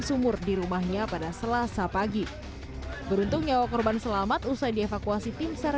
sumur di rumahnya pada selasa pagi beruntung nyawa korban selamat usai dievakuasi timsar